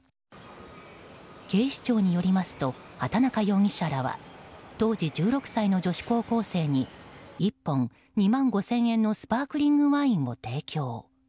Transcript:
警視庁によりますと畑中容疑者らは当時１６歳の女子高校生１本２万５０００円のスパークリングワインを提供。